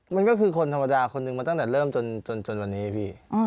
มันก็คือคนธรรมดาคนหนึ่งมาตั้งแต่เริ่มจนวันนี้พี่